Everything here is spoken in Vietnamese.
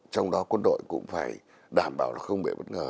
trong đó quân đội cũng phải đảm bảo là không bị bất ngờ